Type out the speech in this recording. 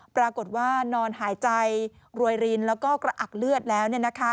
ปรากฏว่านอนหายใจรวยรินแล้วก็กระอักเลือดแล้ว